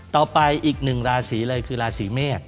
ต่อไปอีกหนึ่งราศีเลยคือราศีเมษ